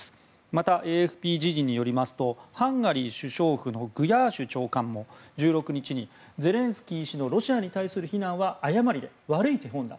また、ＡＦＰ時事によりますとハンガリー首相府のグヤーシュ長官も１６日にゼレンスキー氏のロシアに対する非難は誤りで悪い手本だ。